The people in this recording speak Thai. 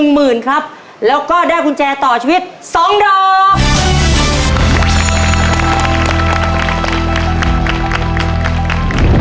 หมื่นครับแล้วก็ได้กุญแจต่อชีวิต๒ดอก